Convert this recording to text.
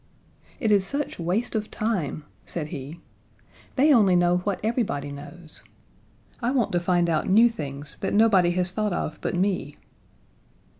"It is such waste of time," said he. "They only know what everybody knows. I want to find out new things that nobody has thought of but me."